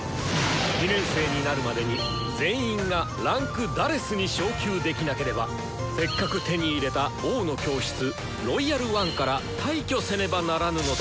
２年生になるまでに全員が位階「４」に昇級できなければせっかく手に入れた「王の教室」「ロイヤル・ワン」から退去せねばならぬのだ！